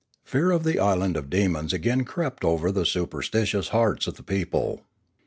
Fear of the isle of demons again crept over the superstitious hearts of the people.